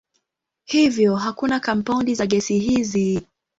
Hivyo hakuna kampaundi za gesi hizi.